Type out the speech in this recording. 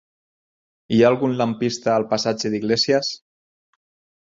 Hi ha algun lampista al passatge d'Iglésias?